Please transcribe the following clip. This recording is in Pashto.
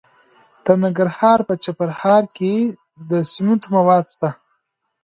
د ننګرهار په چپرهار کې د سمنټو مواد شته.